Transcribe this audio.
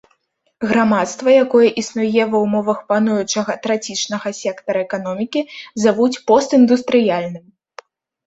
Грамадства, якое існуе ва ўмовах пануючага трацічнага сектара эканомікі, завуць постіндустрыяльным.